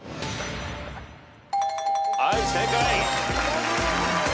はい正解。